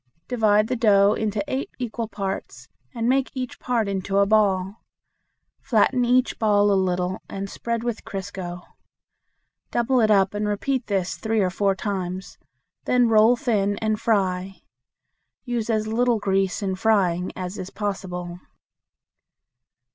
Divide the dough into eight equal parts and make each part into a ball. Flatten each ball a little and spread with crisco. Double it up and repeat this three or four times; then roll thin and fry. Use as little grease in frying as is possible.